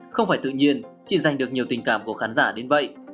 không phải tự nhiên chị giành được nhiều tình cảm của khán giả đến vậy